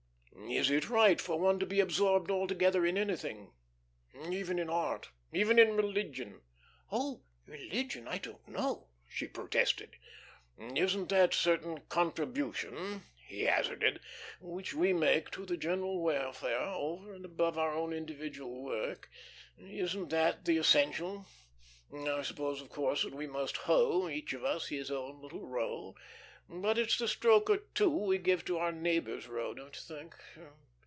"Is it right for one to be absorbed 'altogether' in anything even in art, even in religion?" "Oh, religion, I don't know," she protested. "Isn't that certain contribution," he hazarded, "which we make to the general welfare, over and above our own individual work, isn't that the essential? I suppose, of course, that we must hoe, each of us, his own little row, but it's the stroke or two we give to our neighbour's row don't you think?